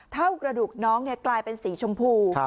เท่ากระดูกน้องกลายเป็นสีชมพู